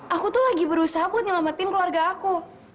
aku tuh lagi berusaha buat nyelamatin keluarga aku